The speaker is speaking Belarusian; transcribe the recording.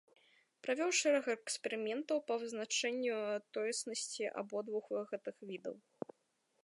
Правёў шэраг эксперыментаў па вызначэнню тоеснасці абодвух гэтых відаў.